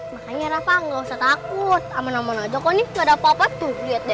makanya rafa gak usah takut aman aman aja kok ini gak ada apa apa tuh liat deh